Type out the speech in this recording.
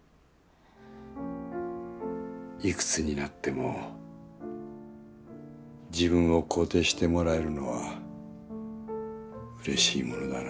いくつになっても自分を肯定してもらえるのはうれしいものだな。